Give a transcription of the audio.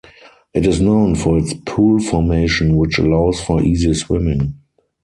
It is known for its pool formation which allows for easy swimming.